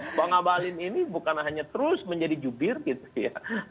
jadi pak ngabalin ini bukan hanya terus menjadi jubir gitu ya